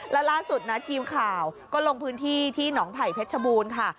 แล้วล่าสุดนะทีมข่าวก็ลงพื้นที่ที่หนองไผ่เพชรชบูรณ์ค่ะ